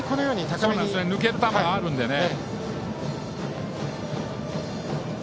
抜ける球があるのでね。